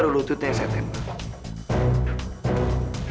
tentunya saya tembak